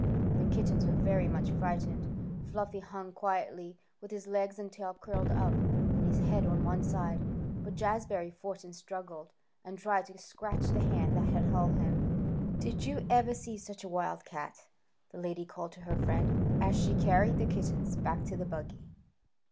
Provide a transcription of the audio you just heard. The kittens were very much frightened. Fluffy hung quietly, with his legs and tail curled up, and his head on one side, but Jazbury fought and struggled, and tried to scratch the hand that held him. "Did you ever see such a little wildcat?" the lady called to her friend, as she carried the kittens back to the buggy.